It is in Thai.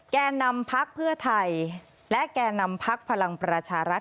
แก่นำพักเพื่อไทยและแก่นำพักพลังประชารัฐ